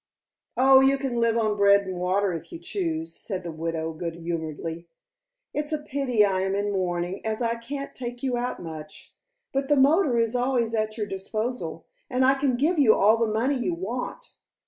"Oh, you can live on bread and water if you choose," said the widow good humoredly. "It's a pity I am in mourning, as I can't take you out much. But the motor is always at your disposal, and I can give you all the money you want.